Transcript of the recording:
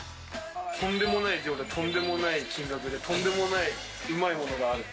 とんでもない量で、とんでもない金額でとんでもない美味いものがある。